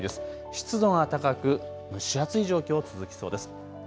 湿度が高く蒸し暑い状況、続きそうです。